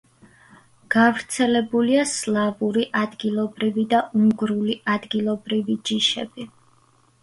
გავრცელებულია სლავური ადგილობრივი და უნგრული ადგილობრივი ჯიშები.